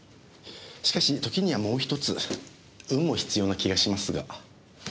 しかし時にはもう１つ運も必要な気がしますが。